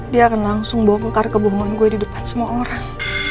dia akan langsung bongkar kebohongan gue di depan semua orang